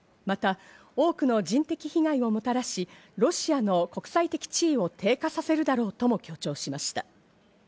また多くの人的被害をもたらし、ロシアの国際的地位を低下させるだろうとも強調しました。